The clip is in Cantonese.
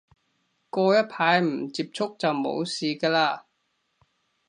過一排唔接觸就冇事嘅喇